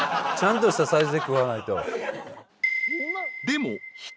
ちゃんとしたサイズで食わないと。